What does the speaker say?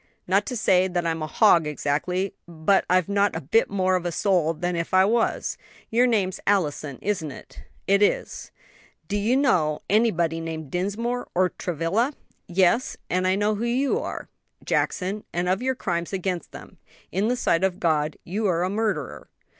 "Not to say that I'm a hog exactly, but I've not a bit more of a soul than if I was. Your name's Allison, isn't it?" "It is." "D'ye know anybody named Dinsmore? or Travilla?" "Yes; and I know who you are, Jackson, and of your crimes against them. In the sight of God you are a murderer."